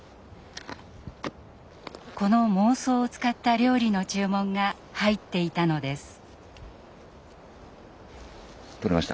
この孟宗を使った料理の注文が入っていたのです。